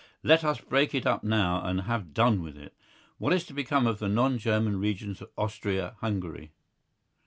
Let us break it up now and have done with it. What is to become of the non German regions of Austria Hungary?